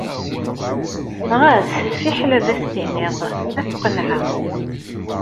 Ɣas fiḥel ad s-tiniḍ ad t-qennɛeɣ.